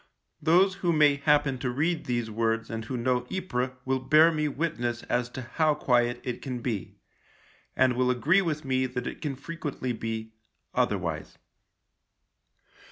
Those who may happen to read these words and who know Ypres will bear me witness as to how quiet it can be, and will agree with me that it can frequently be — otherwise.